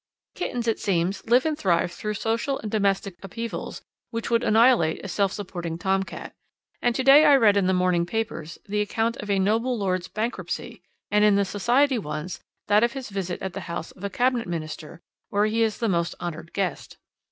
Kittens, it seems, live and thrive through social and domestic upheavals which would annihilate a self supporting tom cat, and to day I read in the morning papers the account of a noble lord's bankruptcy, and in the society ones that of his visit at the house of a Cabinet minister, where he is the most honoured guest.